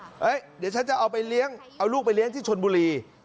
เฮ้ยเดี๋ยวฉันจะเอาไปเลี้ยงเอาลูกไปเลี้ยงที่ชนบุรี